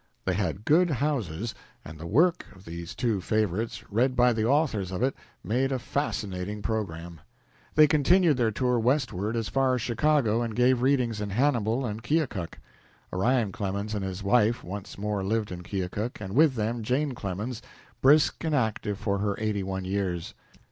They had good houses, and the work of these two favorites read by the authors of it made a fascinating program. They continued their tour westward as far as Chicago and gave readings in Hannibal and Keokuk. Orion Clemens and his wife once more lived in Keokuk, and with them Jane Clemens, brisk and active for her eighty one years.